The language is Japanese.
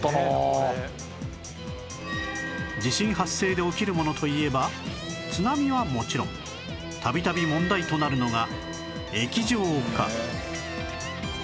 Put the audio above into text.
地震発生で起きるものといえば津波はもちろん度々問題となるのが液状化